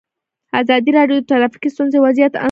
ازادي راډیو د ټرافیکي ستونزې وضعیت انځور کړی.